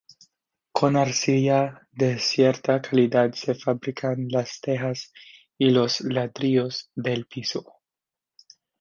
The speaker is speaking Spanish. Con arcilla de cierta calidad se fabricaban las tejas y los ladrillos del piso.